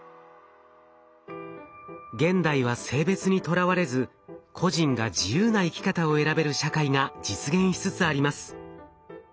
現代は性別にとらわれず個人が自由な生き方を選べる社会が実現しつつあります。